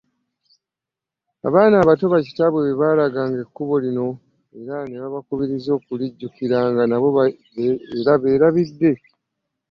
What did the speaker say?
Abaana abato bakitaabwe be baalaganga ekkubo lino era ne babakubiriza okulijjukiranga nabo era beerabidde?